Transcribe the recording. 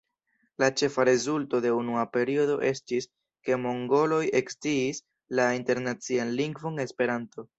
La ĉefa rezulto de unua periodo estis, ke mongoloj eksciis la Internacian lingvon Esperanto.